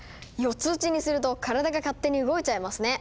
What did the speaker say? ４つ打ちにすると体が勝手に動いちゃいますね。